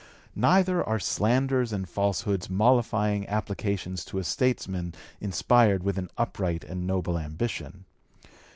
Neither are slanders and falsehoods mollifying applications to a statesman inspired with an upright and noble ambition.